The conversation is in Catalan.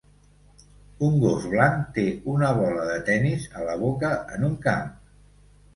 Un gos blanc té una bola de tennis a la boca en un camp.